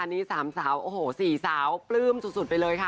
อันนี้๓สาวโอ้โห๔สาวปลื้มสุดไปเลยค่ะ